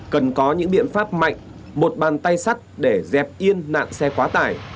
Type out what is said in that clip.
cần có những biện pháp mạnh một bàn tay sắt để dẹp yên nạn xe quá tải